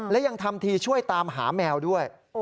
และยังทำทีช่วยตามหาแมวด้วย